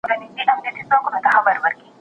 چي اشناى به له اشنايه نه بېرېږي